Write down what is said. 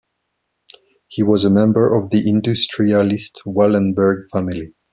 He was a member of the industrialist Wallenberg family.